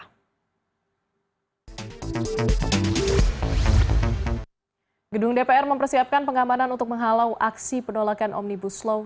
dpr menyiagakan ribuan personel untuk menjaga gedung dpr yang direncanakan akan menjadi pusat aksi penolakan omnibus law